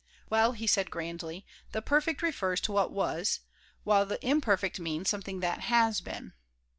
"Well," he said, grandly, "the perfect refers to what was, while the imperfect means something that has been."